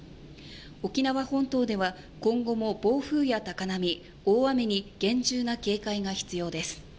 沖縄本島では今後も暴風や高波大雨に厳重な警戒が必要です。